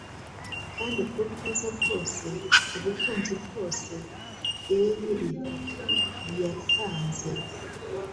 Kandi ubwo bwiza bwose, ubutunzi bwose e'er yatanze,